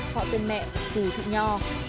họ tên mẹ thủ thụ nhò